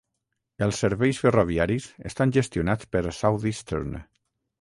Els serveis ferroviaris estan gestionats per Southeastern.